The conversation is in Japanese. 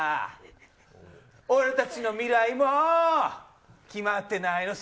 俺たちの未来も決まってないのさ。